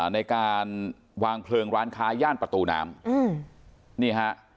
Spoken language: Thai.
ในการวางเพลิงร้านค้าย่านประตูน้ำอืมนี่ฮะ